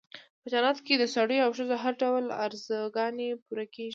په جنت کې د سړیو او ښځو هر ډول آرزوګانې پوره کېږي.